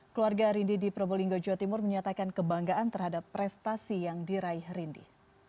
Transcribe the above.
keluarga rindy di probolinggo jawa timur menyatakan kebanggaan terhadap prestasi yang diraih rindy